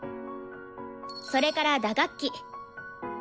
それから打楽器。